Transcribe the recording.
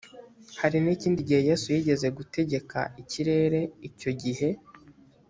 hari n ikindi gihe yesu yigeze gutegeka ikirere icyo gihe